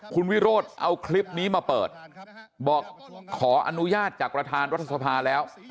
คุณวิโรธเอาคลิปนี้มาเปิดบอกขออนุญาตจากประธานรัฐสภาแล้ว